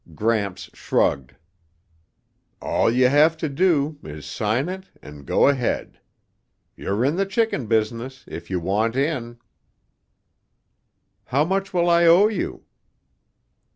Gramps shrugged. "All you have to do is sign it and go ahead; you're in the chicken business if you want in." "How much will I owe you?"